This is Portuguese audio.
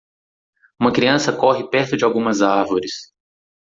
Uma criança corre perto de algumas árvores.